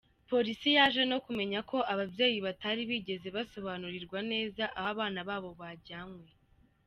Polisi yaje no kumenya ko ababyeyi batari bigeze basobanurirwa neza aho abana babo bajyanywe.